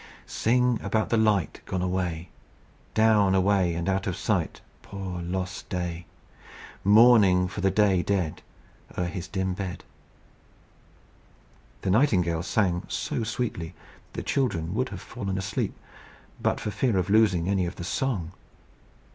"Sing about the light Gone away; Down, away, and out of sight Poor lost Day! Mourning for the Day dead, O'er his dim bed." The nightingale sang so sweetly, that the children would have fallen asleep but for fear of losing any of the song.